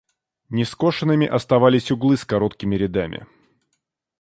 Нескошенными оставались углы с короткими рядами.